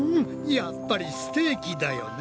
やっぱりステーキだよね。